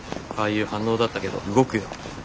ああいう反応だったけど動くよ